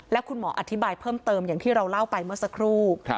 และคุณหมออธิบายเพิ่มเติมอย่างที่เราเล่าไปเมื่อสักครู่